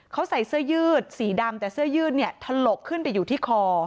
เขาใส่เสื้อยืดสีดำแต่เสื้อยืดเนี่ยถลกขึ้นไปอยู่ที่คอ